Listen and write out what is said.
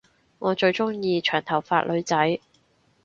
我最鐘意長頭髮女仔